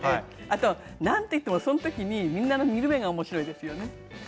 なんといってもその時にみんなの見る目がおもしろいですよね。